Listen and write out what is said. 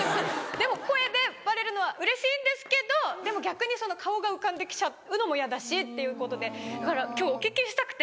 でも声でバレるのはうれしいんですけどでも逆に顔が浮かんで来ちゃうのもイヤだしっていうことでだから今日お聞きしたくて。